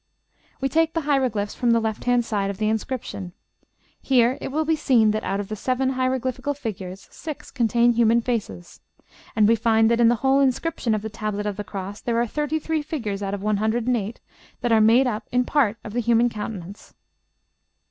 We take the hieroglyphs from the left hand side of the inscription. Here it will be seen that, out of seven hieroglyphical figures, six contain human faces. And we find that in the whole inscription of the Tablet of the Cross there are 33 figures out of 108 that are made up in part of the human countenance.